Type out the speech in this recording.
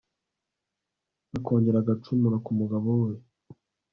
akongera agacumura ku mugabo we